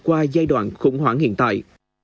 và giúp anh vượt qua giai đoạn khủng hoảng hiện tại